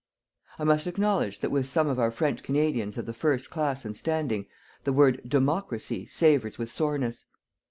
I must acknowledge that with some of our French Canadians of the first class and standing, the word "Democracy" savours with soreness.